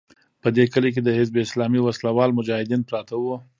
په دې کلي کې د حزب اسلامي وسله وال مجاهدین پراته وو.